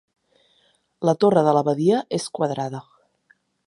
La torre de l'Abadia és quadrada.